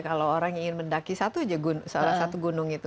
kalau orang ingin mendaki satu aja seorang satu gunung itu